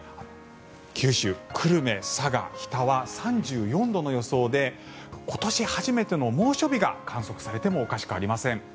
九州、久留米、佐賀、日田は３４度の予想で今年初めての猛暑日が観測されてもおかしくありません。